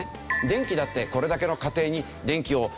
電気だってこれだけの家庭に電気を供給している。